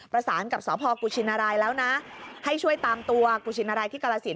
ประสานกับสพกุชินรายแล้วนะให้ช่วยตามตัวกุชินรายที่กรสิน